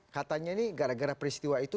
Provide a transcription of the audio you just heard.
katanya ini gara gara peristiwa itu